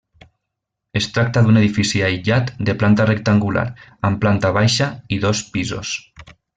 Es tracta d'un edifici aïllat de planta rectangular, amb planta baixa i dos pisos.